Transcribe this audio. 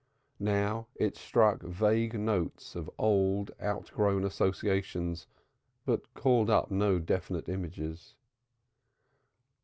Now it struck vague notes of old outgrown associations but called up no definite images.